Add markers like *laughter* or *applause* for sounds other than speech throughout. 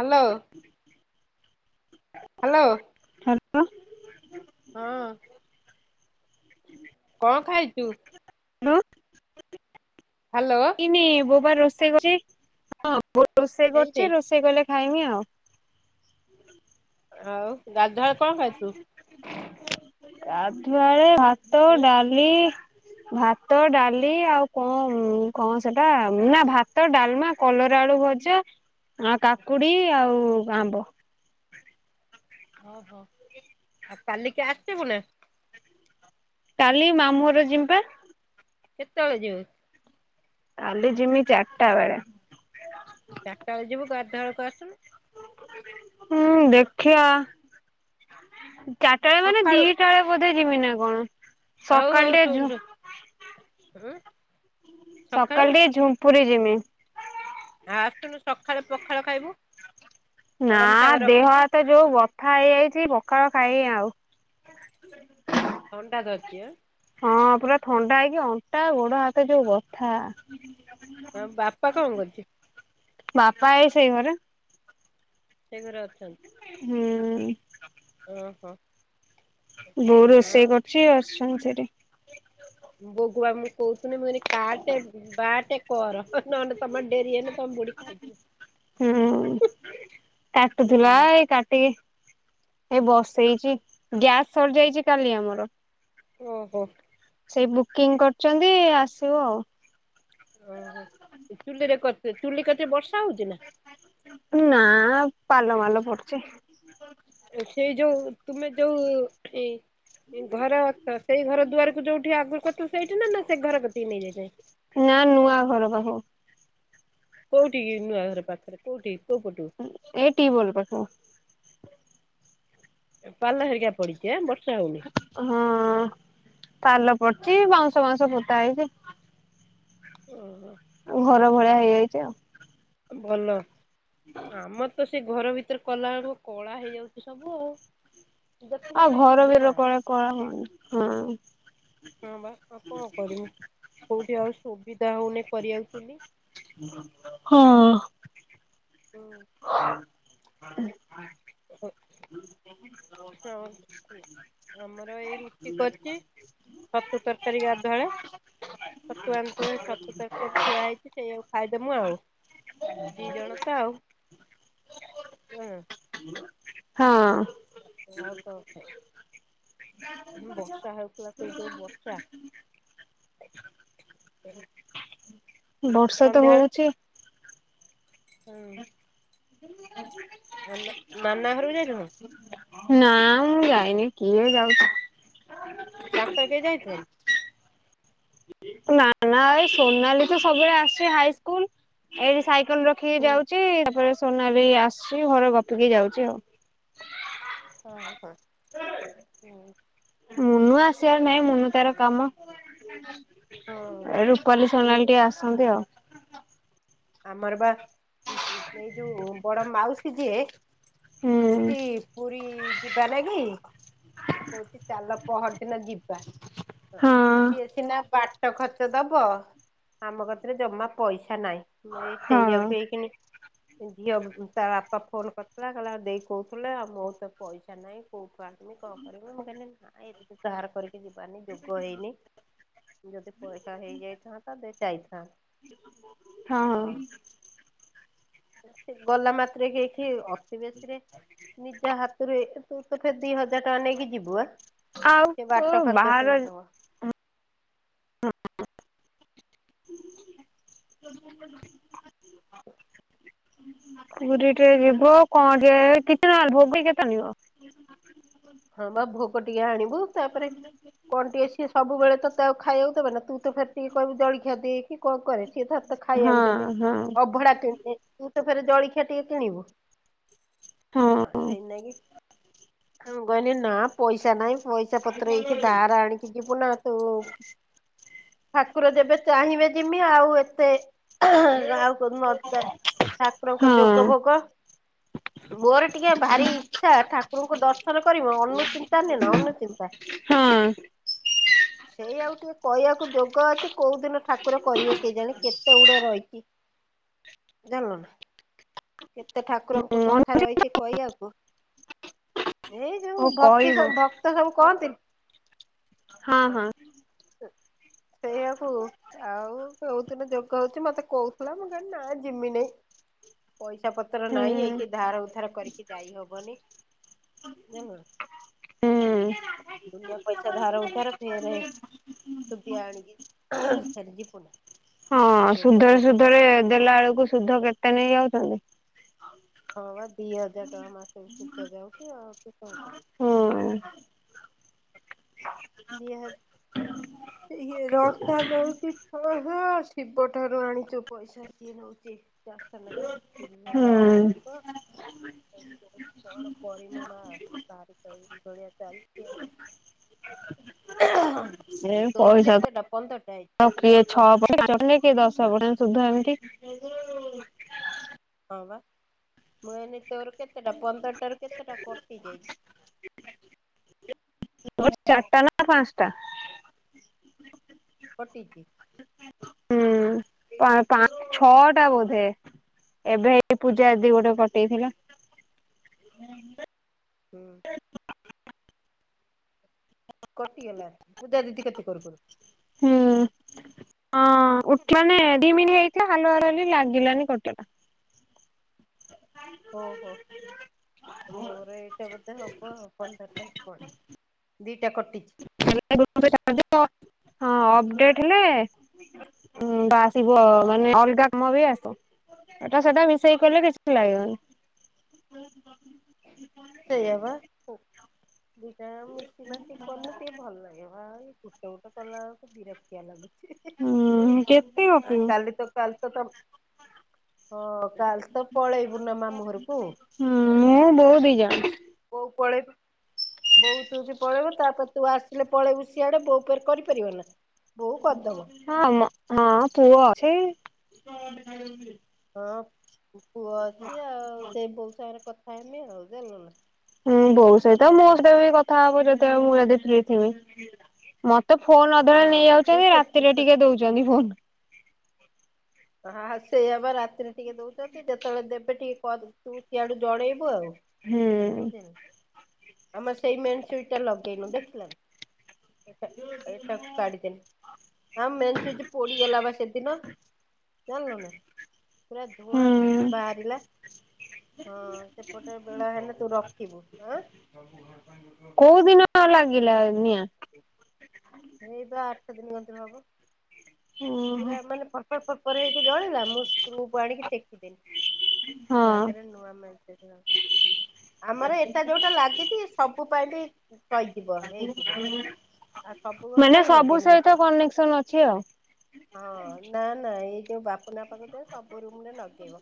Hello. Hello. *unintelligible* ହଁ। କଁ ଖାଇଚୁ? *unintelligible* ହ୍ୟାଲୋ ଇନି ବୋଉ ବା ରୋଷେଇ କରୁଚି, ହଁ ବୋଉ ରୋଷେଇ ହେଇନି କରୁଚି, ରୋଷେଇ କଲେ ଖାଇମି ଆଉ। ଆଉ ଗାଧୁଆ ବେଳେ କଁ ଖାଇଥିଲୁ? ଗାଧୁଆ ବେଳେ ଭାତ, ଡାଲି ଭାତ, ଡାଲି ଆଉ କଁ କଣ ସେଟା ନା ଭାତ ଡାଲମା କଲ ରା ଆଳୁ ଭଜା, ଆ କାକୁଡି ଆଉ ଆମ୍ବ। ଓହୋ। ଆଉ କାଲିକି ଆସିବୁ ନା? କାଲି ମାମୁଁଘର ଯିମ୍ ବା। କେତେବେଳେ ଯିବୁ? କାଲି ଯିମି ଚାରିଟା ବେଳେ। ଚାରିଟା ବେଳେ ଯିବୁ ଗାଧୁଆ ବେଳକୁ ଆସୁନୁ। ହୁଁ ଦେଖିଆ। ଚାରିଟା ବେଳେ ମାନେ ସକାଳୁ ଦିଟା ବେଳେ ବୋଧେ ଯିମି ନା କଣ ହଉ ହଉ ସକାଳେ ଶୁଣୁ ଟିକେ ଝୁ ଶୁଣୁ ଉଁ ସକାଳୁ ସକାଳେ ଟିକେ ଝୁମ୍ପୁୁରି ଯିମି। ଆସୁନୁ ସଖାଳେ ପଖାଳ ଖାଇବୁ? ନା କଳମ ଶାଗ ଦେହ ରଖିଛି ହାତ ଯୋଉ ବଥା ହେଇଯାଇଛି ପଖାଳ ଖାଇ ଆଉ। ଥଣ୍ଡା ଧରଚି ଆଁ। ହଁ ପୁରା ଥଣ୍ଡା ହେଇକି ଅଣ୍ଟା ଗୋଡ ହାତ ଯୋଉ ବଥା। ତମ୍ ବାପା କଁ କରୁଚି? ବାପା ଏଇ ସେଇ ଘରେ। ସେ ଘରେ ଅଛନ୍ତି। ହୁଁ। ଓ ହୋ। ବୋଉ ରୋଷେଇ କରୁଛି ବସିଛନ୍ତି ସେଇଠି। ବୋଉକୁ ବା ମୁଁ କହୁଥିଲି ମୁଁ କହିଲି କାଟେ ବାଟେ କର। ନହେଲେ ତମର ଡେରି ହେଲେ ତମ ବୁଡି ଖାଇ ହୁଁ ଯିବେ। କାଟୁଥିଲା ଏଇ କାଟିିକି ଏଇ ବସେଇଛି, ଗ୍ୟାସ୍ ସରି ଯାଇଛି କାଲି ଆମର। ଓ ହୋ। ସେଇ ବୁକିଂ କରୁଛନ୍ତି ଆସିବ ଆଉ। ଓ ହୋ ଚୁଲିରେ କରୁଚ ଚୁଲି କତିରେ ବର୍ଷା ହଉଛି ନା? ନା ପାଲ ମାଲ ପଡିଛି। ସେଇ ଯୋଉ ତୁମେ ଯୋଉ ଏଇ ଘର ଅଛ ସେଇ ଘର ଦୁଆରକୁ ଯୋଉଠି ଆଗରୁ କରିଥିଲ, ସେଇଠି ନା ନା ସେ ଘର କେତିକି ନେଇଯାଇଚ? ନା ନୂଆ ଘର ପାଖ। କୋଉଠି କି ନୂଆ ଘର ପାଖରେ କୋଉଠି? କୋଉ ପଟୁ ଏଇ ଟିୱଲ ପାଖ। ପାଲ ହେରିକା ପଡ଼ିିଛି ଆଁ ବର୍ଷ ହଁ ପାଲ ପଡିଚି ବାଉଁଶ ବାଉଁଶ ପୋତା ହେଇଛି। ଓ ହୋ। ଘର ଭଳିଆ ହେଇଯାଇଛି ଆଉ। ଭଲ ଆମର ତ ସେ ଘର ଭିତରେ କଲା ବେଳକୁ, କଳା ହେଇଯାଉଛି ସବୁ ଆଉ ଦେଖୁନ ଆଉ ନା କି ଘର ଭିତରେ ଧୂଆଁ। କଲେ କଳା ହବନି ହଁ। ହଁ ବା ଆଉ କଣ କରିମୁ କୋଉଠି ଆଉ ସୁବିଧା ହଉନି। କରିବାକୁ ଚୁଲି। ହଁ। ହୁଁ ଉଁ। *inaudible* ହଉ ଆମର ଏଇ ରୁଟି କରଛି। ଛତୁ ତରକାରୀ ଗାଧୁଆବେଳେ ଛତୁ ଆଣିଥିଲେ, ଛତୁ ତରକାରୀ ଥୁଆ ହେଇଛି ସେଇଆକୁ ଖାଇଦବୁ ଆଉ। ଦି ଜଣ ତ ଆଉ ହଁ। ହଁ। ଛତୁ ଆଉ କଣ ଖା ବର୍ଷା ହଉଥିଲା ତୁ ଯୋଉ ବର୍ଷା *inaudible* ବର୍ଷା ତ ସନ୍ଧ୍ୟାବେଳେ ହଉଛି। ହୁଁ। *unintelligible* ନ ନାନା ଘରୁକୁ ଯାଇନୁ? ନା ମୁଁ ଯାଇନି କିଏ ଯାଉଛି। ତାଙ୍କର କେହି ଯାଇଥିଲେ? ନା ନା ସୋନଲି ତ ସବୁବେଳେ ଆସେ ହାଇସ୍କୁଲ, ଏଇଠି ସା ସାଇକଲ ରଖିକି ହୁଁ ଯାଉଛି ତାପରେ ସୋନାଲି ବି ଆସୁଛି ଘରେ ଗପିକି ଯାଉଛି ଆଉ। ହଁ ହଁ ହୁଁ। ମୁନୁ ଆସିବାର ନାଇଁ, ମୁନୁ ତାର କାମ ହଁ ରୂପାଲି ଇଏ ସୋନାଲୀ ଟିକେ ଆସନ୍ତି ଆଉ। ଆମର ବା ଏଇ ଯୋଉ ବଡ ମାଉସୀ ଯିଏ ହୁଁ କହୁଚି ପୁରୀ ଯିବା ନାଗି। କହୁଛି ଚାଲ ପହର ଦିନ ଯିବା, ହଁ ସିଏ ସିନା ବା ବାଟ ଖର୍ଚ୍ଚ ଦବ ଆମ କତିରେ ଜମା ପଇସା ନାଇ। ଏ ସେ ହଁ। ଆଉକୁ ଏଇ କିଣି ଝିଅ ତା ବାପା ଫୋନ କରିଥିଲା କହିଲା ଆଉ ଦେଇ କହୁଥିଲେ ଆଉ ମୋର ତ ପଇସା ନାହିଁ କୋଉଠୁ ଆ ତମ କଣ କରିବ ମୁଁ କହିଲି ନାଇ ତୁ ଧାର କରିକି ଯିବାର ନାଇ ଯୋଗ ହେଇନି। ଯଦି ପଇସା ହେଇଯାଇଥାନ୍ତା ଦେ ଯାଇଥାନ୍ତୁ। ହଁ। ଗଲା ମାତ୍ରେ କି କି ଅତି ବେଶୀରେ ନିଜ ହାତରୁ ଏ ତୁ ତ ଫିର ଦି ହଜାର ଟଙ୍କା ନେଇକି ଯିବୁ ଆ ଆଉ ସେ ତୁ ବାଟ ଖର୍ଚ ବାହାର ସିନା ଦବ। ହଁ। *inaudible* ପୁରୀ ଟେ ୱ କଣ ଟିକେ କିଛି ନେଲେ ଭୋଗ ଟିକେ ତ ଆଣିବ। ହଁ ବା ଭୋକ ଟିକେ ଆଣିବୁ ତାପରେ କଣ ଟିକେ ସିଏ ସବୁବେଳେ ତ ଆଉ ଖାଇବାକୁ ଦେବେ ନା ଫେଟିକି କହିବୁ ଜଳଖିଆ ଦିଏ କି କଣ କରେ ସିଏ ତତେ ହଁ ଖାଇବାକୁ ଦେଲେ ହଁ। ଅଭଡା କିଣିଲେ। ତତେ ଫେରେ ଜଳିଖିଆ ଟିକେ କିଣିବୁ ହଁ ସେଇତି ନାଗି ମୁଁ କହିନି ନା ପଇସା ନାଇଁ ପଇସା ପତ୍ର ଏ କିି ଧାର ଆଣିକି ଯିବୁ ନା ତୁ। ଠାକୁର ଯେବେ ଚାହିଁବେ ଯିମି ଆଉ ଏତେ ଗାଁ କଉଦିନ ନ ଠାକୁରଙ୍କ ହଁ ଜୋଗ ଭୋଗ ମୋର ଟିକେ ଭାରି ଇଛା ଠାକୁରଙ୍କୁ ଦର୍ଶ ସନ କରିବ ଅନୁଚିନ୍ତା ନୁହେଁନା ଅନୁଚିନ୍ତା ହଁ ସେଇ ଆଉ ଟିକେ କହିବାକୁ ଯୋଗ ଅଛି କୋଉ ଦିନ ଠାକୁର କରିବେ କେହି ଜାଣେ କେତେ ଗୁଡେ ରହିଚି। *inaudible* ଯାନଲୁ ନା। କେତେ ଠାକୁରଙ୍କ କଥା ହଉ ରହିଛି କହିଆକୁ। ଏଇ ଯୋଉ ଭକ୍ତି କହିବ ସବୁ ଭକ୍ତ ସବୁ କହନ୍ତିନି ହଁ ହଁ। ସେଇଆକୁ ଆଉ କଉଥିଲୁ ଯଉ କହୁଛି ମତେ କହୁଥିଲା ମୁଁ କହିଲି ନା ଜିମି ନେଇ। ପଇସା ପତ୍ର ହୁଁ ନାହିଁ ଏଇକି ଧାର ଉଧାର କରିକି ଯାଇ ହବନି ଯାନଲୁନା। ହୁଁ ଦୁନିଆ ପଇସା ଧାରା ଉଧାର ଫେରେ ସୁଧିଆ ଆଣିକି ଫେରେ ଯିବୁ ନା। ହଁ ଯୋଗ ସୁଧରେ ଭୋଗ କରି ସୁଧରେ ଦେଲା ବେଳକୁ ସୁଧ କେତେ ନେଇ ଯାଉଚନ୍ତି। ହଁ ବା ଦି ହଜାର ଟଙ୍କା ମାସେ ଶୁଦ୍ଧ ହଉଚି ଆଉ ତୁ ହୁଁ। ହ ଦି ହ ଇହେ ରସଲୋଉଟି *unintelligible* ଛିବ ଠାରୁ ଆଣିଚୁ ପଇସା ସିଏ ନଉଚି। ଚାରସ ଲକ୍ଷ ତିରିଶ ହଜାର ହୁଁ ବାରଶହ କଣ ପରିମ ମା ତାର ତ ଏଇ ଭଳିଆ ଚାଲଚି ଆଉ। ହ ହଁ ଏ ପଇସା ତ କିଏ ପନ୍ଦରଟାରୁ ଛଅ ପର୍ସେଣ୍ଟ ପାଞ୍ଚ ପର୍ସେଣ୍ଟ କିଏ ଦଶ ପର୍ସେଣ୍ଟ ସୁଧା ଏମିତି *inaudible* ହଁ ବା ମୁ ଏଇନା ତୋର କେତେଟା ପନ୍ଦରଟାରୁ କେତେଟା କଟ ହେଇଯାଇଚି ମୋର ଚାରଟା ନା ପାଞ୍ଚସଟା କଟିଚି ହୁଁ ପା ପା ଛଅ ଟା ବୋଧେ ଏବେ ଏଇ ପୂଜା ଦି ଗୋଟେ କଟି ଯାଇଥିଲା। ହୁଁ। କଟିିଗଲା ପୂଜା ଦିଦି କତି କୁରୁକୁରୁୁ। ହୁଁ। ହଁ ଉଠମାନେ ହେଇଥିଲା ହଲାର ଲ ଲାଗିଲାନେ କଟିଲା। ଓ ହୋ। ଆମ ଘରେ ଏଇଟା ବୋଧେ ହବ ପନ୍ଦର ଟେ *unintelligible* ହଁ ଅପଡେଟ ହେଲେ ହୁଁ ବା ଆସିବ ହୁଁ ମାନେ ଅଲଗା କାମ ବି ଆସୁ ଏଟା ସେଟା ମିଶେଇ କଲେ କିଛି ଲାଗିବନି। ସେଇଆ ବା ଦିଟା ମିଶି ମାସିକି କନେ ଟିକେ ଭଲ ଲାଗେ ବା ଏ ଗୋଟେ ଗୋଟେ କଲା ବିରକ୍ତିଆ ଲାଗୁଛି। ହୁଁ କେତେ ଆ ଗପିବୁ? କାଲି ତ କାଲି ତ ହଁ କାଲି ତ ପଳେଇବୁ ନା ମାମୁଁ ଘରକୁ। ହୁଁ ବୋଉ *unintelligible* ପଳେଇବ ବୋଉ ତୁ କି ପଳେଇବ ତାପରେ ତୁ ଆସିଲେ ପଳେଇବୁ ସିଆଡେ ବୋଉ ଫେରେ କରିପାରିବ ନା? ବୋଉ କରିଦବ ହଁ ହଁ ପୁଅ ଅଛି। ହଁ ପୁଅ ଅଛି ଆଉ ସେଇ ବୋଉ ସାଙ୍ଗରେ କଥା ହେମି ଆଉ ଜାଣିଲୁ ନା ହୁଁ ବୋଉ ଆଉ ସହିତ କଣ ମୋ କରିବି। ସତ ବି କଥା ହବ ଯେତେବେଳେ ମୁଁ ଯଦି ଫ୍ରି ଥିବି ମତେ ତ ଫୋନ ଅଧା ନେଇ ହଁ ତୁ ଯାଉଛନ୍ତି ସେ ରାତିରେ ଟିକେ ଦଉଛନ୍ତି ଫୋନ। ହଁ ସେଇ ହେବା ରାତିରେ ଟିକେ ଦଉଛନ୍ତି ଯେତେବେଳେ ଦେବେ ଟିକେ ତୁ ସିଆଡୁ ଜଣେଇବୁ ଆଉ। ହୁଁ। ବୁଝିଲୁ। ଆମର ସେଇ ମେନ୍ ସୁଇଜିଟା ଲଗେଇନୁ ଦେଖିଲନା? ଏଟା ଏଟାକୁ କାଢିଦେନି ମେନ୍ ସୁଚ ପୋଡିଗଲା ବା ସେଦିନ। ଜାଣିଲୁ ନା ପୁରା ଧୂଆଁ ହୁଁ ନିଆଁ ବାହାରିଲା। ହଁ ସେପଟେ ବେଳ ହେନେ ତୁ ରଖିବୁଁ। କୋଉ ଦିନ ଲାଗିଲା ନିଆଁ? ଏଇ ବା ଆଠ ଦିନ ଅନ୍ତର ହବ ଓହୋ ପୁରା ମାନେ ପୁର ହେଇକି ଜଳିଲା ମୁଁ ସ୍ତୁକୁ ଆଣିକି ଟେକିଦେଲି। ହଁ ତାପରେ ନୂଆ ମାତିିଲ ଆମର ଏଟା ଯୋଉଟା ଲାଗିଛି ସବୁ ପାଇଁ ବି ସହିଯିବ ହେଇଯିବ ଆଉ ସବୁ ଘରେ ମାନେ କାହିଁ ସବୁ ଲଗେଇମି ଗୋଟେ ସହିତ କନେକ୍ସନ ଅଛି ଆଉ। ହଁ ନା ନାଇଁ। ଏଇ ଯୋଉ ବାପୁ ନା ପାଖକୁ ସବୁ ରୁମ ରେ ଲଗେଇବ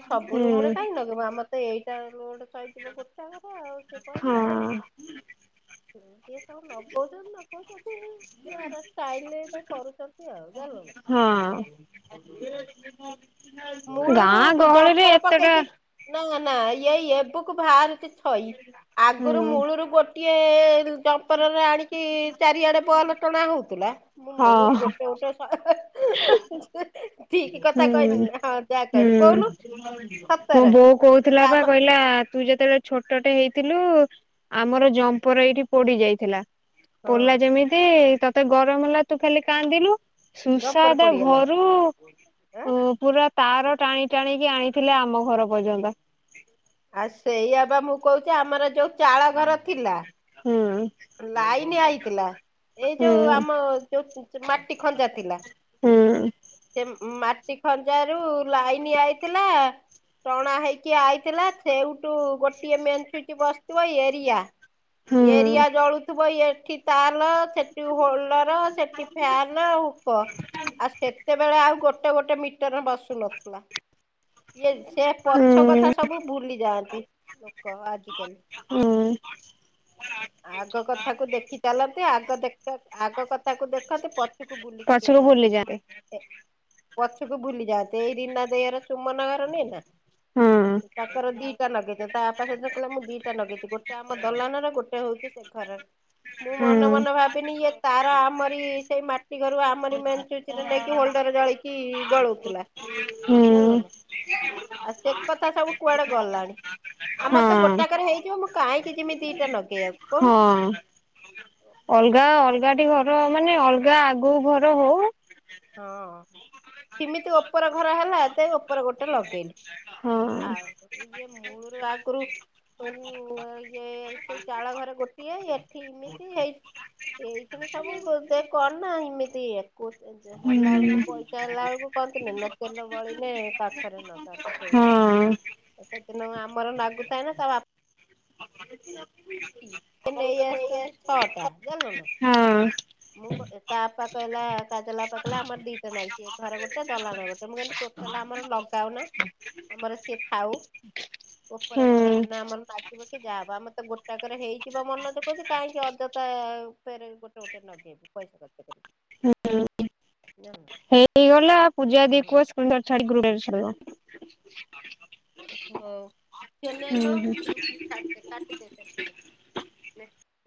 ଏ ସବୁ ହୁଁ ରୁମ ରେ କାଇହିଁ ଲଗେଇବ ଆମର ତ ଏଇ ରୋଡ ସହିଯିବ ଗୋଟେ ଘର ଆଉ ସେ କହିଲେ ଆଉ। ହଁ *inaudible* ଟ ସବୁ ନଗଉଛନ୍ତି ନଗଉଛନ୍ତି ଷ୍ଟାଇଲରେ କରୁଛନ୍ତି ଆଉ ଜାଣିଲୁ ହଁ। *inaudible* ମୁଳୁରୁ ଗାଁ ଗହଳିରେ ଜପର ଏତେଟା ପାକାଇକି ନା ନା ଏଇ ଆକୁ ବାହାରୁଛି ଛଇ ଆଗରୁ ହୁଁ ମୂଳରୁ ଗୋଟେ ଟିଏ ଜଡମ୍ପରରେ ଆଣିକି ଚାରିଆଡ଼େ ବଲ୍ ଟଣା ହୋଉଥିଲା। ମୁଁ ମୂଳରୁ ଗୋଟେ ଗୋଟେ ହ ଠିକ କଥା ହୁଁ କହିନି ହଁ ଯାହା ହୁଁ କହିଲୁ କହୁନୁ ମୋ ସତରେ ବୋଉ କହୁଥିଲା ପା ଆମ କହିଲା ତୁ ଯେତେବେଳେ ଛୋଟ ଟେ ହେଇ ଥିଲୁ ଆମର ଜମ୍ପର ଏଇଠି ପୋଡି ଯାଇଥିଲା ହଁ। ପୋଡିଲା ଯେମିତି ମତେ ଗରମ ହେଲା ତୁ ଖାଲି କାନ୍ଦିଲୁ ଜମ୍ପର ସୁସାଦା ପଡିଗଲା ଘରୁ ଆଁ ହୁଁ ପୁରା ତାର ଟାଣି ଟାଣିକି ଆଣିଥିଲେ ଆମ ଘର ପର୍ଯ୍ୟନ୍ତ। ଆ ସେଇଆ ବା ମୁଁ କହୁଛି ଆମର ଯୋଉ ଚାଳ ଘର ଥିଲା ହୁଁ ଲାଇନ ଆଇଥିଲା। ଏଇ ଯୋଉ ହୁଁ ଆମ ଯୋଉ ମାଟି ଖଞ୍ଜା ହୁଁ। ଉଁ ମାଟି ଖଞ୍ଜାରୁ ଲାଇନ ଆଇଥିଲା। ଟଣା ହେଇକି ଆଇଥିଲା ସେଇଟୁ ଗୋଟିଏ ମେନ୍ ସୁଇଚ ବସିଥିବ ଏଇ ଏରିଆ। ଏରିିଆ ହୁଁ ଜଳୁ ଥିବ ଏ ତାଲ ସେଠି ହୋଲଡର ସେଠି ଫ୍ୟାନ ହୁ ଅ ଆଉ ସେତେବେଳେ ଆଉ ଗୋଟେ ଗୋଟେ ମିଟର ବସୁ ନଥିଲା। ଇଏ ସେ ପଛ ହୁଁ କଥା ସବୁ ଭୁଲି ଯାଆନ୍ତି। କହ ଆଜି କାଲି। ହଁ। ଆଗ କଥାକୁ ଦେଖି ଚାଲନ୍ତି ଆଗ ଦେଖ ଆଗ କଥାକୁ ଦେଖନ୍ତି ପଛୁକୁ ବୁଲିକି। ଛୁକୁ ଭୁଲି ଯାଆନ୍ତି। ପଛୁକୁ ଭୁଲି ଯାଆନ୍ତି ଏଇ ରିନା ଦେଇ ଘର ଚୁମନା ଘର ନୁହେଁ ନା? ହୁଁ ତାଙ୍କର ଦିଟା ନଗେଇଚନ୍ତି ତା ବାପା ସେଦିନ କହିଲା ମୁଁ ଦିଟା ନଗେଇଚି ଗୋଟେ ଆମ ଦଲାନାର ଗୋଟେ ହଉଚି ସେ ଏ ଘର ମୁଁ ହୁଁ ମନେ ମନେ ଭାବିନି ଇଏ ତାର ଆମରି ସେଇ ମାଟି ଘରୁ ଆ ମରି ମେନ୍ ସୁଇଚରେ ନେଇକି ହୋଲଡର ଜଳେଇକି ଗଳଉଥିଲା। ଜାଣିଲ ହୁଁ ନା? ଆଉ ସେ କଥା ସବୁ କୁଆଡେ ଗଲାଣି। ଆମର ତ ହଁ ଗୋଟାକରେ ହେଇଯିବ ମୁଁ କାହିଁକି ଯିମି ଦିଟା ନଗେଇ ଆକୁ କହୁନୁ। ହଁ ଅଲଗା ଅଲଗା ଟି ଘର ମାନେ ଅଲଗା ଆଗୁକୁ ଘର ହଉ। ହଁ ସିମିତି ଓପର ଘର ହେଲା ତେ ଓପର ଗୋଟେ ଲଗେଇଲି। ହଁ। ଆଉ ୟେ ମୁଳୁରୁ ଆଗୁରୁ ଶୋଉ ଆ ଇଏ ସେଇ ଚାଳ ଘରେ ଗୋଟିଏ ଏଠି ଇମିତି ହେଇ ଏଇ ଖିଣି ସବୁ ଦେ କର ନା ଇମିତି ଇଏ କହୁଚନ୍ତି। ଯୋଉ ହୁଁ ହେଲା ବେଳକୁ ପଇସା ହେଲା ବେଳକୁ କହନ୍ତିନି ନା ତେଲ ବଳିଲେ କାଖରେ ନଗାନ୍ତୁ ସେଇଭଳିଆ। ହଁ ଏ ସେଦିନ ଆମର ନାଗୁଥାଏ ନା ତା ବା ସେ ନେଇ ଆସିଚନ୍ତି ଛଅଟା ଜାଣିଲୁ ନା? ହଁ ମୁଁ କ ଏ ତା ଆପା କହିଲା କାଜଲ ବାପା କହିଲା ଆମର ଦିଟା ନାଗିଚି ଏ ଘରେ ଗୋଟେ ଦଲାଣ ଗୋଟେ ମୁଁ କହିଲି ଟୋଟାଲ ଆମର ଲଗାଅ ନା। ଆମର ସିଏ ଥାଉ। ଓପର ଘର ହୁଁ। ହେନେ ଆମର ଲାଗିବ କି ଯାହା ହବ ଆମର ତ ଗୋ ଟାକରେ ହେଇଯିବ ମନୋଜ କହୁଚି କାହିଁକି ଅଯଥା ଉପରେ ଗୋଟେ ଗୋଟେ ନଗେଇବୁ ପଇସା ଖର୍ଚ୍ଚ। କରିବୁ ହୁଁ ଜାଣିଲୁ ହେଇଗଲା ପୂଜା ଦେଇକୁ ହଁ କୁହ ସୁନ୍ଦର ଛାଡି ଗ୍ରୁପରେ ଛାଡିବ। ହଉ ଚୁ ହୁଁ ନେଲୁ ହୁଁ। ଗ୍ରୁପରେ ଛାଡି ଦେ କାଟି ଦେ *inaudible* ନେ